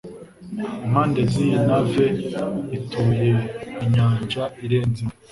impande ziyi nave ituye inyanja irenze imwe